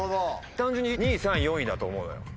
単純に２位３位４位だと思う。